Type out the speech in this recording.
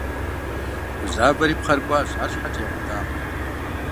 Гузавэри пхъэр кӀуащ, арщхьэкӀэ ягъуэтакъым.